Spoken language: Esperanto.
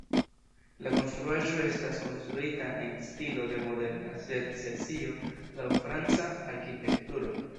La konstruaĵo estas konstruita en stilo de moderna secesio laŭ franca arkitekturo.